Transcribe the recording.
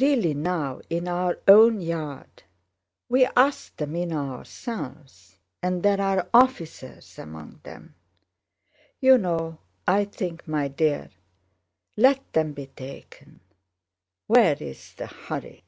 Really now, in our own yard—we asked them in ourselves and there are officers among them.... You know, I think, my dear... let them be taken... where's the hurry?"